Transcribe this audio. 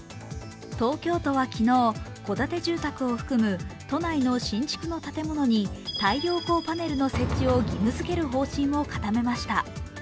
東京都は昨日、戸建て住宅を含む都内の新築の建物に太陽光パネルの設置を義務付ける方針を固めました。